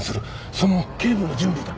その警備の準備だ。